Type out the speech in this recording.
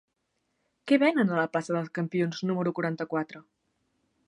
Què venen a la plaça dels Campions número quaranta-quatre?